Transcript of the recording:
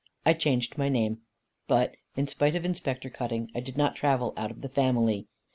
I changed my name. But, in spite of Inspector Cutting, I did not travel out of the family.